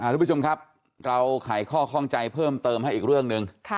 ทุกผู้ชมครับเราไขข้อข้องใจเพิ่มเติมให้อีกเรื่องหนึ่ง